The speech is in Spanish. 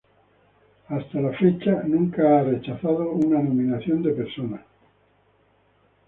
Hasta la fecha, nunca ha rechazado una nominación de personal.